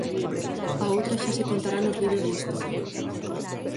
A outra xa se contará nos libros de historia.